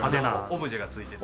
オブジェが付いてて。